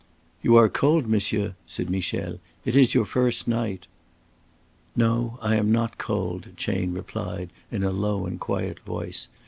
"You are cold, monsieur?" said Michel. "It is your first night." "No, I am not cold," Chayne replied, in a low and quiet voice.